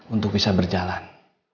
untuk bisa berjalan